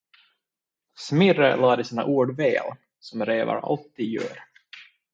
Smirre lade sina ord väl, som rävar alltid gör.